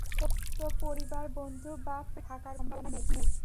তো পরিবার, বন্ধু বা প্রেমিকা থাকার কোনো সম্ভাবনা নেই।